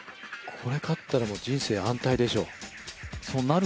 これ勝ったら人生安泰でしょう。